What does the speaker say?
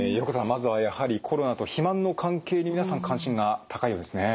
まずはやはりコロナと肥満の関係に皆さん関心が高いようですね。